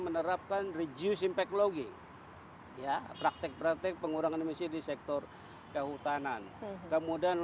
menerapkan reduce impact logging ya praktek praktek pengurangan emisi di sektor kehutanan kemudian